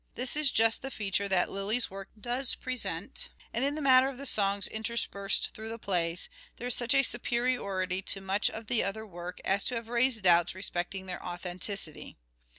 This is just the feature that Lyly's work does present ; and in the matter of the songs interspersed through the plays, there is such a superiority to much of the other work as to have raised doubts respecting their authenticity.